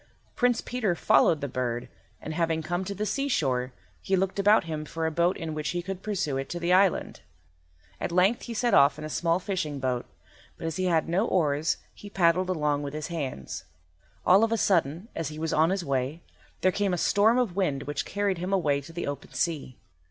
Prince Peter followed the bird, and, having come to the seashore, he looked about him for a boat in which he could pursue it to the island. At length he set off in a small fishing boat, but as he had no oars he paddled along with his hands. All of a sudden, as he was on his way, there came on a storm of wind which carried him away to the open sea.